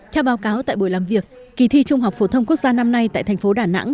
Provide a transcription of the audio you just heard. theo báo cáo tại buổi làm việc kỳ thi trung học phổ thông quốc gia năm nay tại thành phố đà nẵng